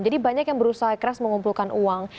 jadi banyak yang berusaha keras mengumpulkan uang